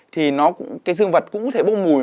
thì cái dương vật cũng có thể bông mùi